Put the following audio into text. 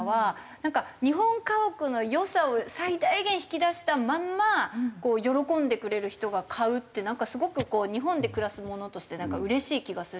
なんか日本家屋の良さを最大限引き出したまんま喜んでくれる人が買うってなんかすごくこう日本で暮らす者としてうれしい気がするんですけど。